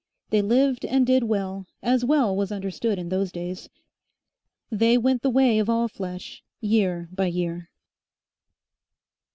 They lived and did well, as well was understood in those days. They went the way of all flesh, year by year.